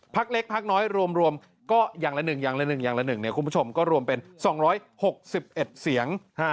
พักเล็กพักน้อยรวมก็อย่างละ๑คุณผู้ชมก็รวมเป็น๒๖๑เสียง